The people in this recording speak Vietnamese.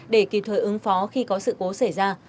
để kịp thời ứng phó khi có sự cố xảy ra